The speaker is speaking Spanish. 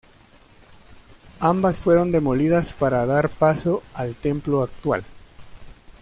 Ambas fueron demolidas para dar paso al templo actual.